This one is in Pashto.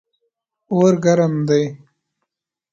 اور ګرم دی.